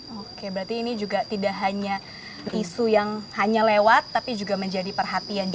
oke berarti ini juga tidak hanya isu yang hanya lewat tapi juga menjadi perhatian juga